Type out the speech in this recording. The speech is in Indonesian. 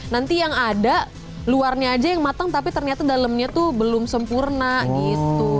nanti yang ada luarnya aja yang matang tapi ternyata dalamnya tuh belum sempurna gitu